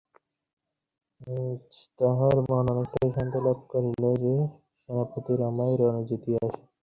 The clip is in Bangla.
আজ তাঁহার মন অনেকটা সান্ত্বনা লাভ করিল যে সেনাপতি রমাই রণে জিতিয়া আসিয়াছে।